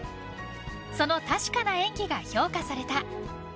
その確かな演技が評価された。